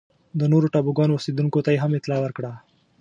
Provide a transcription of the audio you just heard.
د نورو ټاپوګانو اوسېدونکو ته یې هم اطلاع ورکړه.